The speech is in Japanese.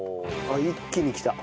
あっ一気にきた。